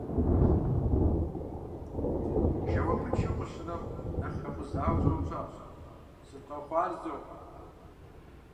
Жэуапыншэу къыщынэм, нэхъ хэкъузауэ щӀэупщӀащ: «Сыт къэхъуар зо?».